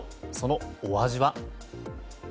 そのお味は。